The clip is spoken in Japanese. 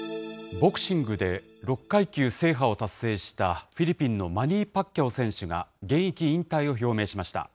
ボクシングで６階級制覇を達成したフィリピンのマニー・パッキャオ選手が現役引退を表明しました。